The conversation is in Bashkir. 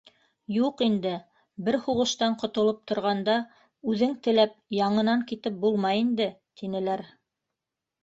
— Юҡ инде, бер һуғыштан ҡотолоп торғанда, үҙең теләп яңынан китеп булмай инде, — тинеләр.